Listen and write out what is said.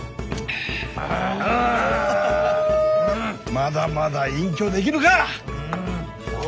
まだまだ隠居できぬか！